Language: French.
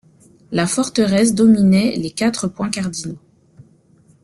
La forteresse dominait les quatre points cardinaux.